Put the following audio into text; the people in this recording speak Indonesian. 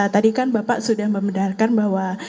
tadi kan bapak sudah membenarkan bahwa